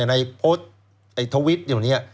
ไอ้โพสต์ไอ้ทวิสต์อยู่นี้